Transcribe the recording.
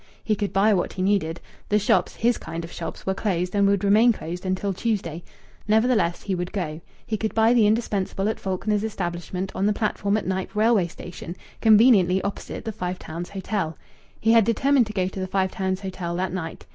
He could buy what he needed. The shops his kind of shops were closed, and would remain closed until Tuesday. Nevertheless, he would go. He could buy the indispensable at Faulkner's establishment on the platform at Knype railway station, conveniently opposite the Five Towns Hotel. He had determined to go to the Five Towns Hotel that night.